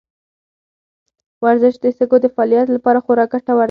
ورزش د سږو د فعالیت لپاره خورا ګټور دی.